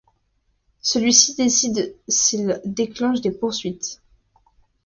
Celui-ci décide s'il déclenche des poursuites.